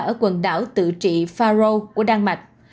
ở quần đảo tự trị faro của đan mạch